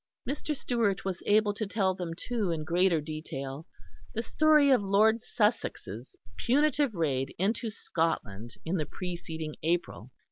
Mr. Stewart was able to tell them too, in greater detail, the story of Lord Sussex's punitive raid into Scotland in the preceding April.